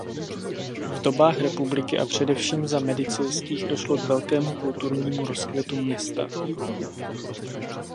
V dobách republiky a především za Medicejských došlo k velkému kulturnímu rozkvětu města.